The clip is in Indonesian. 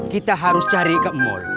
kita harus cari ke mall